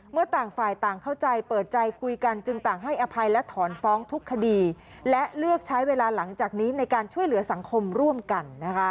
ต่างฝ่ายต่างเข้าใจเปิดใจคุยกันจึงต่างให้อภัยและถอนฟ้องทุกคดีและเลือกใช้เวลาหลังจากนี้ในการช่วยเหลือสังคมร่วมกัน